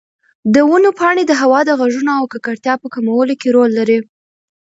د ونو پاڼې د هوا د غږونو او ککړتیا په کمولو کې رول لري.